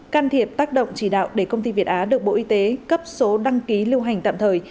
can thiệp tác động chỉ đạo để công ty việt á được bộ y tế cấp số đăng ký lưu hành tạm thời